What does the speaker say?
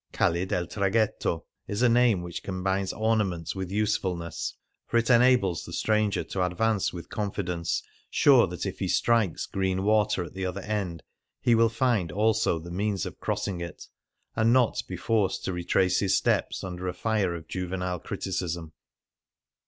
" Calle del Traghetto '' is a name which combines ornament with useful ness, for it enables the stranger to advance with confidence, sure that if he strikes green water at the other end he will find also the means of crossing it, and not be forced to retrace his steps under a fire of juvenile criticism.